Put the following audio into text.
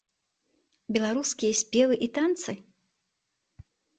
Беларускія спевы і танцы?